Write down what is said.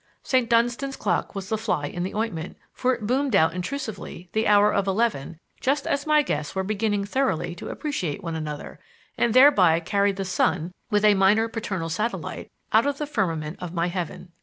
St. Dunstan's clock was the fly in the ointment, for it boomed out intrusively the hour of eleven just as my guests were beginning thoroughly to appreciate one another, and thereby carried the sun (with a minor paternal satellite) out of the firmament of my heaven.